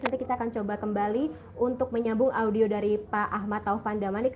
nanti kita akan coba kembali untuk menyambung audio dari pak ahmad taufan damanik